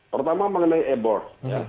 pertama mengenai e board